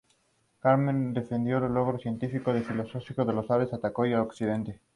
Glimmer no debe ser subestimada.